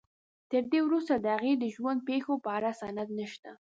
تر دې وروسته د هغې د ژوند پېښو په اړه سند نشته.